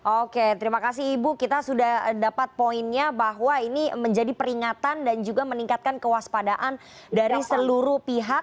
oke terima kasih ibu kita sudah dapat poinnya bahwa ini menjadi peringatan dan juga meningkatkan kewaspadaan dari seluruh pihak